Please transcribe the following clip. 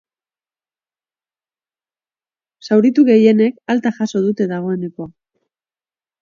Zauritu gehienek alta jaso dute dagoeneko.